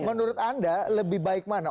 menurut anda lebih baik mana